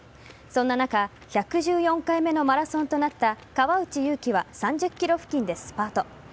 そんな中１１４回目のマラソンとなった川内優輝は３０ｋｍ付近でスパート。